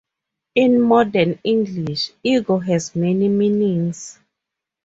In modern English, ego has many meanings.